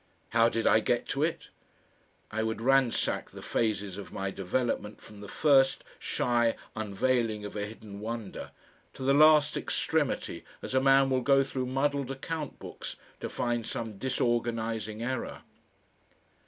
"How did I get to it?"... I would ransack the phases of my development from the first shy unveiling of a hidden wonder to the last extremity as a man will go through muddled account books to find some disorganising error....